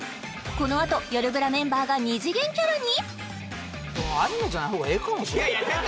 このあと「よるブラ」メンバーが２次元キャラに？